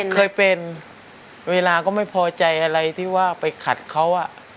เคยเป็นเวลาก็ไม่พอใจอะไรที่ว่าไปขัดเขา